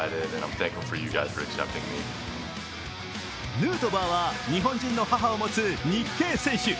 ヌートバーは日本人の母を持つ日系選手。